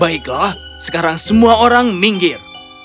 baiklah sekarang semua orang minggir